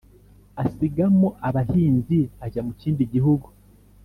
asigamo abahinzi ajya mu kindi gihugu